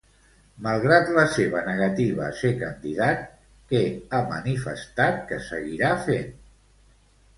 Malgrat la seva negativa a ser candidat, què ha manifestat que seguirà fent?